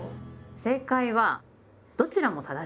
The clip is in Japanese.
正解はどちらも正しいです！